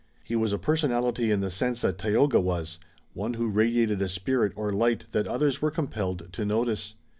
He was a personality in the sense that Tayoga was, one who radiated a spirit or light that others were compelled to notice.